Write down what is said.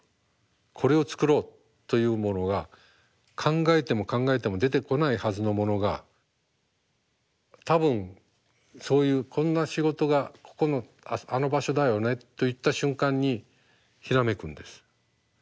これを作ろうというものが考えても考えても出てこないはずのものが「多分そういうこんな仕事がここのあの場所だよね」と言った瞬間にひらめくんです。